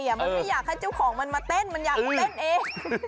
มันไม่อยากให้เจ้าของมันมาเต้นมันอยากเต้นเอง